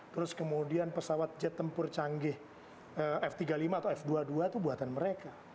terus kemudian pesawat jet tempur canggih f tiga puluh lima atau f dua puluh dua itu buatan mereka